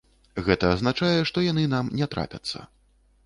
Гэта азначае, што яны нам не трапяцца.